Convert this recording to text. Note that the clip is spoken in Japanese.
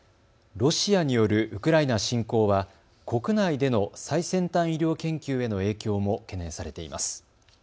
ロシアによるウクライナ侵攻は国内での最先端医療研究への影響も懸念されています。